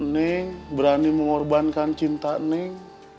neng berani mengorbankan cinta neng